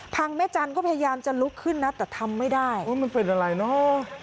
แม่จันทร์ก็พยายามจะลุกขึ้นนะแต่ทำไม่ได้โอ้มันเป็นอะไรเนอะ